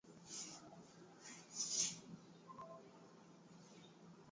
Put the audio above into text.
anaona huu ni wakati mwafaka kwa wananchi wote